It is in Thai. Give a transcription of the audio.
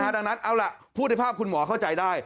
ดังนั้นเอาล่ะพูดในภาพคุณหมอเข้าใจได้